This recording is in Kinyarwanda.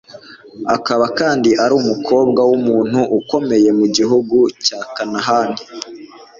akaba kandi ari umukobwa w'umuntu ukomeye wo mu gihugu cya kanahani